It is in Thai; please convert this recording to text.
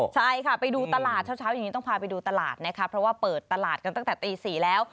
ใช่ค่ะไปดูตลาดเช้าอย่างนี้ต้องพาไปดูตลาดนะคะเพราะว่าเปิดตลาดกันตั้งแต่ตี๔แล้ว